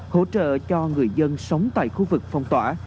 hỗ trợ cho người dân sống tại khu vực phong tỏa